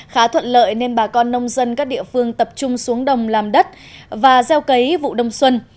khá thuận lợi nên bà con nông dân các địa phương tập trung xuống đồng làm đất và gieo cấy vụ đông xuân